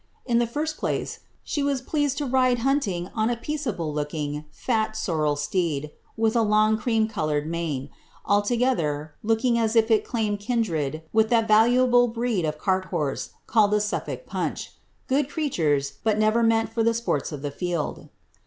In the lirst place, she was pleased to ride hunting on a peace able looking, fat, sorrel steed, with a lon;^ c ream col oti red mane — ■a\u> gether, looking as if it claimed kindred wiih that valuable breed of fart horses called ihe SiilTulk Funcli — good creatures, but never meant lor the sports of the field.